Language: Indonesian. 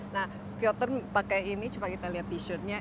nah piotr pakai ini coba kita lihat t shirt nya